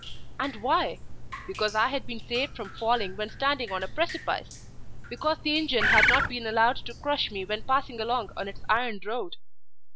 And why? Because I had been saved from falling when standing on a precipice! Because the engine had not been allowed to crush me when passing along on its iron road!